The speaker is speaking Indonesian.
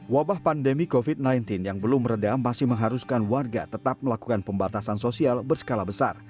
wabah pandemi covid sembilan belas yang belum meredam masih mengharuskan warga tetap melakukan pembatasan sosial berskala besar